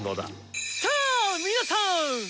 さあ皆さん！